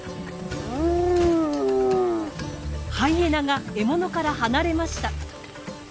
ハイエナが獲物から離れました。